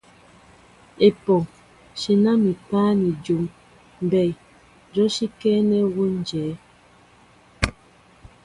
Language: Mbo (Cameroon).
Epoh ! shenan mi páá ni jon, mbɛy jɔsíŋkɛɛ wón jɛέ.